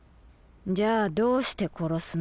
じゃどうして殺すの？